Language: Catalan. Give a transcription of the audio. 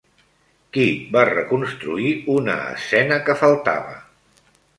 Qui va reconstruir una escena que faltava?